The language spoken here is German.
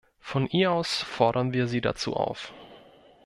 Von hier aus fordern wir sie dazu auf.